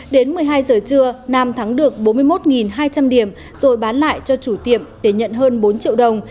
đến một mươi hai giờ trưa nam thắng được bốn mươi một hai trăm linh điểm rồi bán lại cho chủ tiệm để nhận hơn bốn triệu đồng